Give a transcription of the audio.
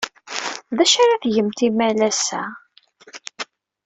D acu ara tgemt imalas-a?